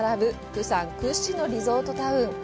釜山屈指のリゾートタウン。